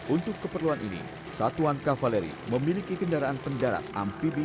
untuk keperluan ini satuan kavaleri memiliki kendaraan penjarak amfibi lvt